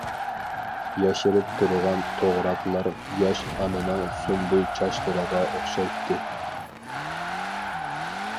ياشىرىپ تۇرغان توغراقلار ياش ئانىنىڭ سۇمبۇل چاچلىرىغا ئوخشايتتى.